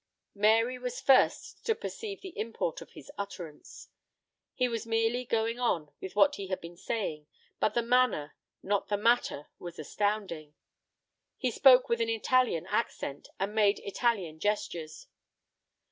Mary was first to perceive the import of his utterance. He was merely going on with what he had been saying, but the manner, not the matter, was astounding. He spoke with an Italian accent, and made Italian gestures.